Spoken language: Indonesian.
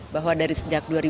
bahwa dari sekolah berkuda